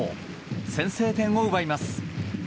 先制点を奪います。